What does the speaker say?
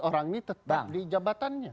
orang ini tetap di jabatannya